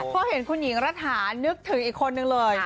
พอเห็นคุณหญิงรัฐานึกถึงอีกคนนึงเลย